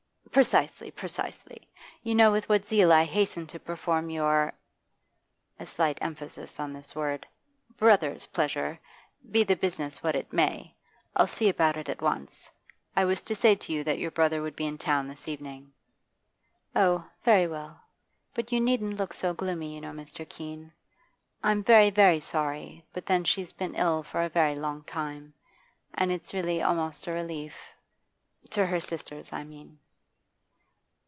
'Precisely, precisely. You know with what zeal I hasten to perform your' a slight emphasis on this word 'brother's pleasure, be the business what it may. I'll see about it at once. I was to say to you that your brother would be in town this evening.' 'Oh, very well. But you needn't look so gloomy, you know, Mr. Keene. I'm very sorry, but then she's been ill for a very long time, and it's really almost a relief to her sisters, I mean.